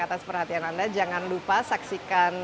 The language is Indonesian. atas perhatian anda jangan lupa saksikan